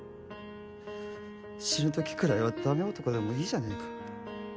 死ぬときくらいは駄目男でもいいじゃねえか。